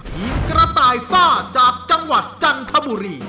ทีมกระต่ายซ่าจากจังหวัดจันทบุรี